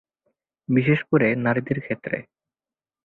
বিশেষ করে নারীদের ক্ষেত্র।